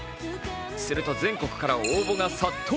すると全国から応募が殺到。